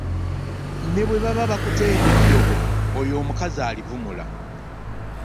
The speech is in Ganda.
Ne bwe baba bakutenda eddogo oyo omukazi alivumula.